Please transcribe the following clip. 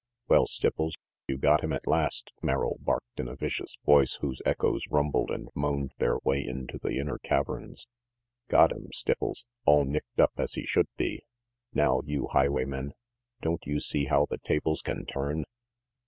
"Well, Stipples, you got him at last!" Merrill barked in a vicious voice whose echoes rumbled and moaned their way into the inner caverns. " Got him, Stipples! All nicked up, as he should be. Now, you highwayman, don't you see how the tables can turn?"